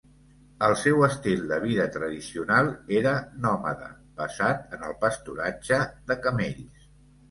El seu estil de vida tradicional era nòmada, basat en el pasturatge de camells.